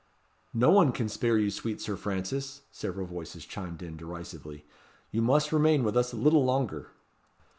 "No one can spare you, sweet Sir Francis," several voices chimed in, derisively. "You must remain with us a little longer."